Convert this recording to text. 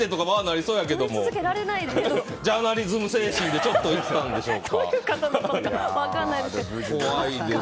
ジャーナリズム精神があったんでしょうか。